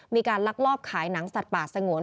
ลักลอบขายหนังสัตว์ป่าสงวน